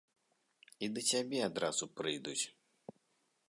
І да цябе адразу прыйдуць.